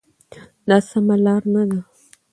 دا سمه لار نه ده.